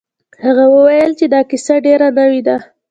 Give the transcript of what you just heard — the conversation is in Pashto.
هغه وویل چې دا کیسه ډیره نوې ده.